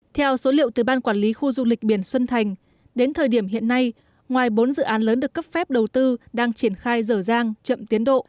theo số liệu từ ban quản lý khu du lịch biển xuân thành đến thời điểm hiện nay ngoài bốn dự án lớn được cấp phép đầu tư đang triển khai dở dang chậm tiến độ